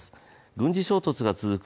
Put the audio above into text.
軍事衝突が続く